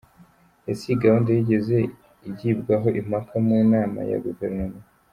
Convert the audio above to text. Ese iyi gahunda yigeze igibwaho impaka mu nama ya guverinoma ?